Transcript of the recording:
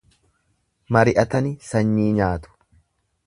Mari'atani sanyii nyaatu.